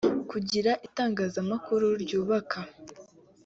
Kugira itangazamakuru ryubaka